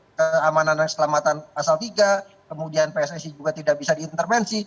keamanan dan keselamatan pasal tiga kemudian pssi juga tidak bisa diintervensi